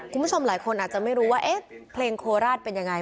คุณผู้ชมหลายคนอาจจะไม่รู้ว่าเอ๊ะเพลงโคราชเป็นยังไง